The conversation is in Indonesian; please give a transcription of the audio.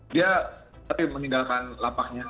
dia seperti meninggalkan lapaknya